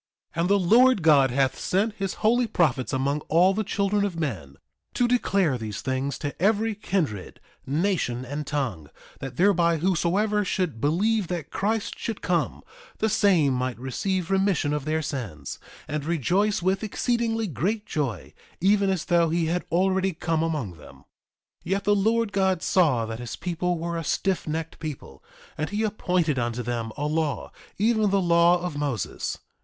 3:13 And the Lord God hath sent his holy prophets among all the children of men, to declare these things to every kindred, nation, and tongue, that thereby whosoever should believe that Christ should come, the same might receive remission of their sins, and rejoice with exceedingly great joy, even as though he had already come among them. 3:14 Yet the Lord God saw that his people were a stiffnecked people, and he appointed unto them a law, even the law of Moses.